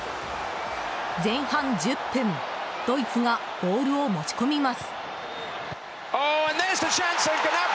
前半１０分、ドイツがボールを持ち込みます。